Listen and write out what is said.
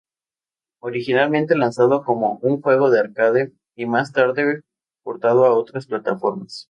Originalmente lanzado como un juego de arcade, y más tarde portado a otras plataformas.